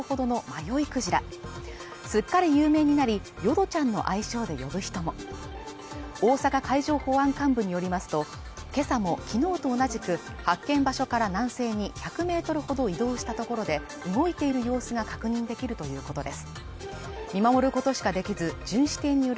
すっかり有名になりヨドちゃんの愛称で呼ぶ人も大阪海上保安監部によりますと今朝も昨日と同じく発見場所から南西に１００メートルほど移動したところで動いている様子が確認できるということです